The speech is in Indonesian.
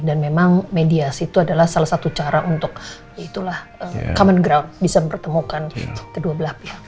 dan memang mediasi itu adalah salah satu cara untuk itulah common ground bisa dipertemukan kedua belah pihak